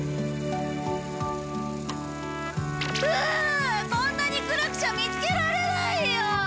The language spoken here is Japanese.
ああこんなに暗くちゃ見つけられないよ！